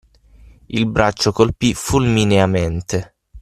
Il braccio colpì fulmineamente.